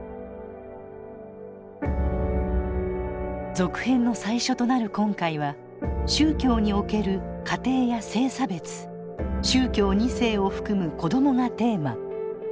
続編の最初となる今回は宗教における家庭や性差別宗教２世を含む子どもがテーマ。